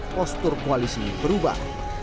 postur koalisi ini berubah